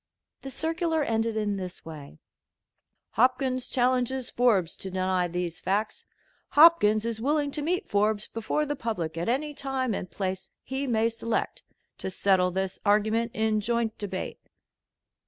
The circular ended in this way: "Hopkins challenges Forbes to deny these facts. Hopkins is willing to meet Forbes before the public at any time and place he may select, to settle this argument in joint debate."